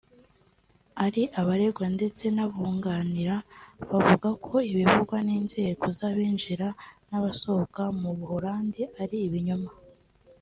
Ari abaregwa ndetse n’ubunganira bavuga ko ibivugwa n’inzego z’abinjira n’abasohoka mu Buhorandi ari ibinyoma